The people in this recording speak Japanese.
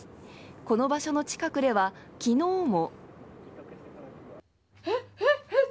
この場所の近くでは昨日も。